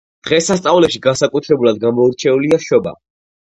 დღესასწაულებში განსაკუთრებულად გამორჩეულია შობა